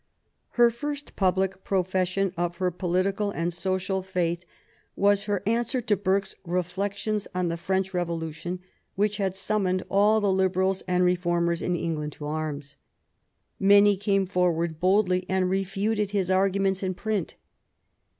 Her first public profession of her political and social faith was her answer to Burke's Reflections on the French Revolution, which had summoned all the liberals and reformers in England to arms. Many came forward boldly and refuted his arguments in print.